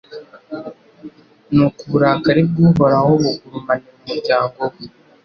nuko uburakari bw’Uhoraho bugurumanira umuryango we